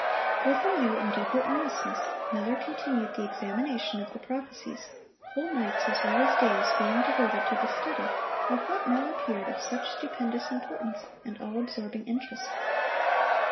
(538) With a new and deeper earnestness, Miller continued the examination of the prophecies, whole nights as well as days being devoted to the study of what now appeared of such stupendous importance and all absorbing interest.